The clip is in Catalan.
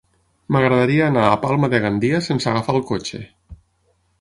M'agradaria anar a Palma de Gandia sense agafar el cotxe.